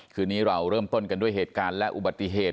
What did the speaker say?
คืนนี้เราเริ่มต้นกันด้วยเหตุการณ์และอุบัติเหตุ